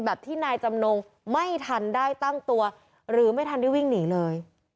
ที่นายจำนงไม่ทันได้ตั้งตัวหรือไม่ทันได้วิ่งหนีเลย